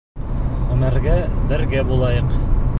Ғүмергә бергә булайыҡ!